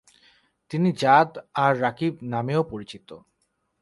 তিনি জাদ আর-রাকিব নামেও পরিচিত।